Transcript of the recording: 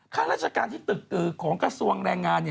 ข้าราชการที่ตึกของกระทรวงแรงงาน